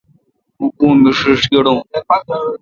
اوں پو می ݭیݭ گڑون۔